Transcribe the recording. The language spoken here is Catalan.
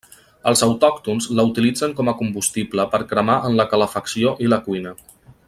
Els autòctons la utilitzen com a combustible per cremar en la calefacció i la cuina.